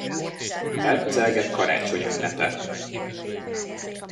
Elközelgett karácsony ünnepe.